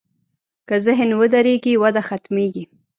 که ذهن ودرېږي، وده ختمېږي.